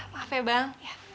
maaf ya bang